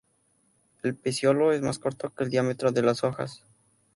El peciolo es más corto que el diámetro de las hojas.